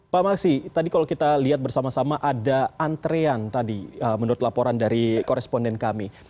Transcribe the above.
pak maksi tadi kalau kita lihat bersama sama ada antrean tadi menurut laporan dari koresponden kami